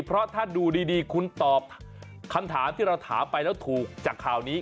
เพราะถ้าดูดีคุณตอบคำถามที่เราถามไปแล้วถูกจากข่าวนี้